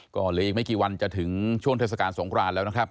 ก็เหลืออีกไม่กี่วันจะถึงช่วงเทศกาลสงครานแล้วนะครับ